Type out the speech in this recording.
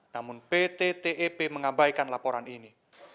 namun pt tep mengabaikan laporan ini